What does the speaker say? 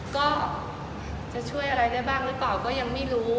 ก็จะช่วยอะไรได้บ้างหรือเปล่าก็ยังไม่รู้